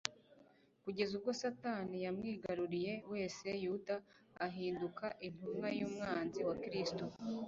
kugeza ubwo Satani yamwigarunye wese. Yuda ahinduka intumwa y'umwanzi wa Kristo.